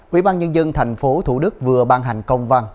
quỹ ban nhân dân thành phố thủ đức vừa ban hành công văn